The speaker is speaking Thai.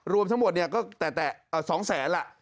รวมทั้งหมดก็แต่๒๐๐๐๐๐ละ